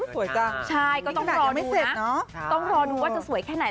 ต้องรอดูนะต้องรอดูว่าจะสวยแค่ไหน